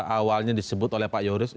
awalnya disebut oleh pak yoris